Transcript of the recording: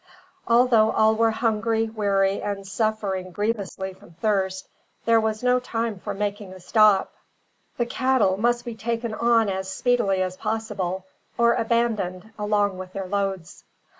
Although all were hungry, weary, and suffering grievously from thirst, there was no time for making a stop. The cattle must be taken on as speedily as possible, or abandoned, along with their loads.